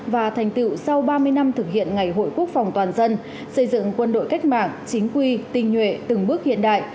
và thành tựu sau ba mươi năm thực hiện ngày hội quốc phòng toàn dân xây dựng quân đội cách mạng chính quy tinh nhuệ từng bước hiện đại